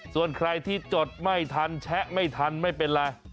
ส่วนใครที่จดไม่ทันแชะไม่ทันไม่เป็นไร